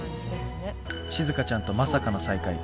しずかちゃんとまさかの再会。